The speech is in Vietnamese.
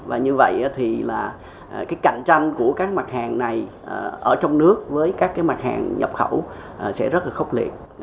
và như vậy thì là cái cạnh tranh của các mặt hàng này ở trong nước với các cái mặt hàng nhập khẩu sẽ rất là khốc liệt